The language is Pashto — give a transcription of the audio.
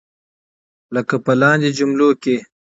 لکه په لاندې جملو کې.